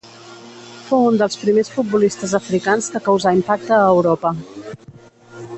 Fou un dels primers futbolistes africans que causà impacte a Europa.